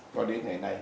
cho đến ngày nay